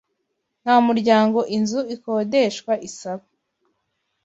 Nta muryango inzu ikodeshwa isaba